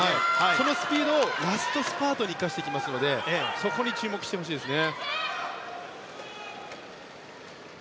そのスピードをラストスパートに生かしてきますのでそこに注目してほしいです。